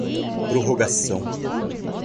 prorrogação